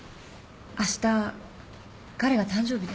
あした彼が誕生日で。